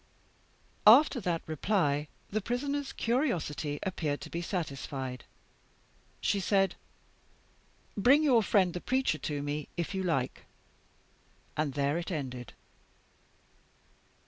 "After that reply, the Prisoner's curiosity appeared to be satisfied. She said, 'Bring your friend the preacher to me, if you like' and there it ended.